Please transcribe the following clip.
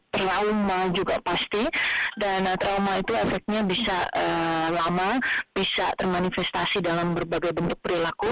trauma juga pasti dan trauma itu efeknya bisa lama bisa termanifestasi dalam berbagai bentuk perilaku